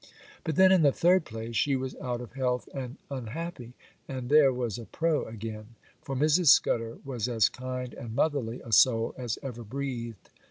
But then, in the third place, she was out of health and unhappy, and there was a pro again; for Mrs. Scudder was as kind and motherly a soul as ever breathed.